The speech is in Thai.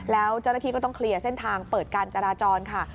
แล้วเจ้าหน้าที่ก็ต้องเคลียร์เส้นทางเปิดการจราจรค่ะ